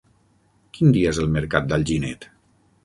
Quin dia és el mercat d'Alginet?